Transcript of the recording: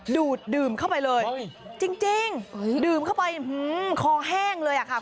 ดูดดื่มเข้าไปเลยจริงดื่มเข้าไปคอแห้งเลยอะค่ะ